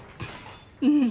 うん